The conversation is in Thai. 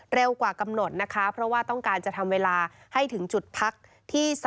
กว่ากำหนดนะคะเพราะว่าต้องการจะทำเวลาให้ถึงจุดพักที่๓